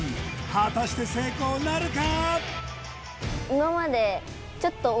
果たして成功なるか？